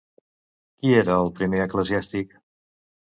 Qui era el primer eclesiàstic?